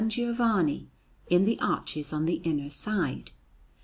Giovanni, in the arches on the inner side.